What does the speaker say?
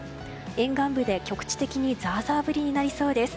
沿岸部で局地的にザーザー降りになりそうです。